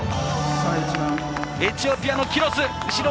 エチオピアのキロス。